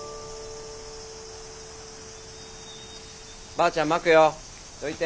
ばあちゃんまくよ。どいて。